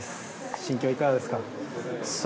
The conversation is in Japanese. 心境はいかがですか？